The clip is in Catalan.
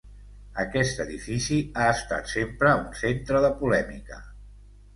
Aquest edifici ha estat sempre un centre de polèmica.